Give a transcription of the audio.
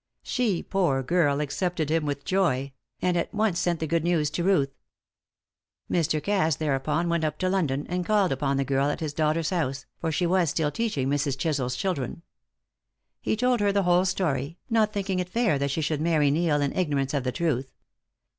She, poor girl, accepted him with joy; and at once sent the good news to Ruth. Mr. Cass thereupon went up to London, and called upon the girl at his daughter's house, for she was still teaching Mrs. Chisel's children. He told her the whole story, not thinking it fair that she should marry Neil in ignorance of the truth.